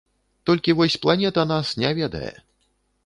Толькі вось планета нас не ведае.